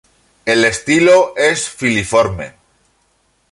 El estilo es filiforme.